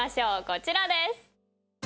こちらです。